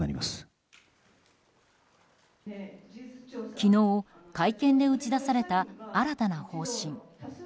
昨日、会見で打ち出された新たな方針。